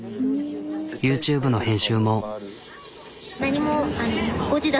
ＹｏｕＴｕｂｅの編集も。